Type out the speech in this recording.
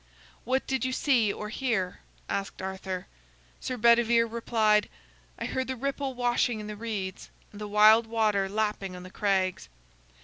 "What did you see or hear?" asked Arthur. Sir Bedivere replied: "I heard the ripple washing in the reeds, and the wild water lapping on the crags."